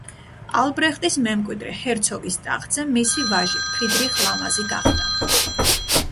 ალბრეხტის მემკვიდრე ჰერცოგის ტახტზე მისი ვაჟი ფრიდრიხ ლამაზი გახდა.